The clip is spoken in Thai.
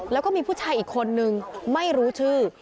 แล้วก็มีผู้ชายอีกคนนึงไม่รู้ชื่อ